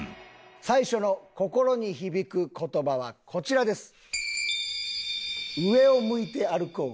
最初の心に響く言葉はこちらです。